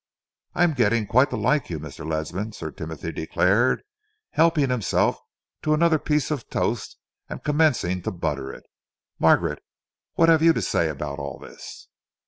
"I am getting quite to like you, Mr. Ledsam," Sir Timothy declared, helping himself to another piece of toast and commencing to butter it. "Margaret, what have you to say about all this?"